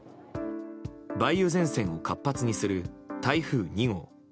梅雨前線を活発にする台風２号。